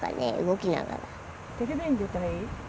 動きながらテレビに出たい？